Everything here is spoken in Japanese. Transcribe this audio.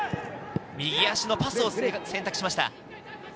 右足のパス選択しました。